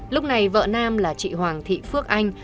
lúc này vợ nam là chị hoàng thị phước anh